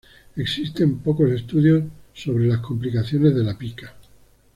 Existen pocos estudios sobre las complicaciones de la pica.